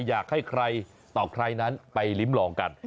อยากให้ใครต่อใครนั้นไปลิ้มลองกัน